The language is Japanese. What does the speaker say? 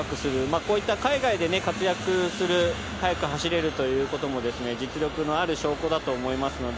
こういった海外で活躍する、速く走れるということも実力のある証拠だと思います。